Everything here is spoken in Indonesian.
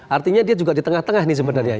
artinya dia juga di tengah tengah nih sebenarnya